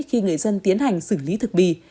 khi người dân tiến hành xử lý thực bị